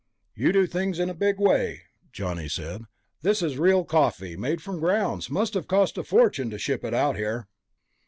"You do things in a big way," Johnny said. "This is real coffee, made from grounds. Must have cost a fortune to ship it out here."